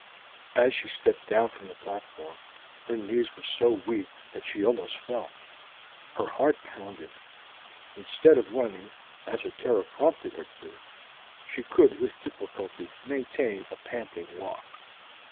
As she stepped down from the platform, her knees were so weak that she almost fell. Her heart pounded. Instead of running, as her terror prompted her to, she could with difficulty maintain a panting walk.